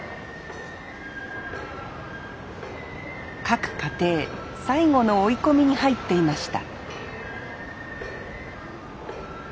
各家庭最後の追い込みに入っていました